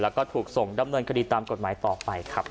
แล้วก็ถูกส่งดำเนินคดีตามกฎหมายต่อไปครับ